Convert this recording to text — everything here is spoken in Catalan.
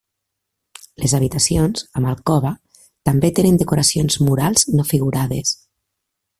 Les habitacions, amb alcova, també tenen decoracions murals no figurades.